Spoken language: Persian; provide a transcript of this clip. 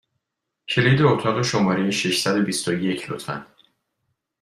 کلید اتاق شماره ششصد و بیست و یک، لطفا!